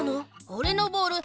おれのボール